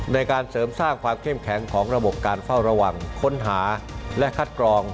ในการเสริมสร้างความเข้มแข็งของระบบการเฝ้าระวังค้นหาและคัดกรอง